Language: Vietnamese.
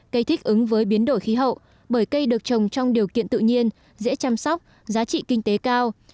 cây thích ứng với biến đổi khí hậu bởi cây được trồng trong điều kiện tự nhiên dễ chăm sóc giá trị kinh tế cao